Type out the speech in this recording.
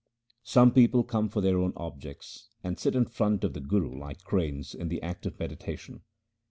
Some people come for their own objects, and sit in front of the Guru like cranes in the act of meditation.